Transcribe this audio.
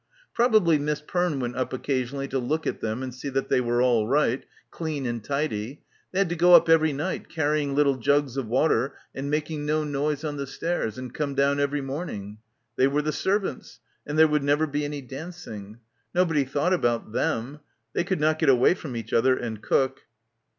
Probably Miss Perne went up occasionally to look at them and see that they were all right; clean and tidy. ... They had to go up every night, carrying little jugs of water and making no noise on the stairs, and come down every morning. They were the servants — and there would never be any dancing. Nobody thought about them. ... They could not get away from each other, and cook.